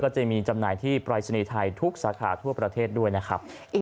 จะมีจำหน่ายที่ปรายศนีย์ไทยทุกสาขาทั่วประเทศด้วยนะครับ